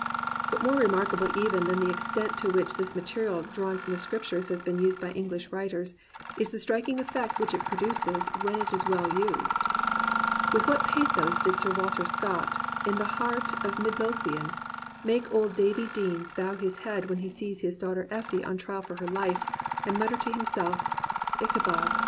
But more remarkable even than the extent to which this material drawn from the Scriptures has been used by English writers, is the striking effect which it produces when it is well used. With what pathos does Sir Walter Scott, in The Heart of Mid lothian, make old Davie Deans bow his head when he sees his daughter EflSe on trial for her life, and mutter to himself, " Ichabod